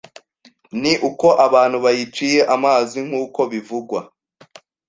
ni uko abantu bayiciye amazi nk’uko bivugwa,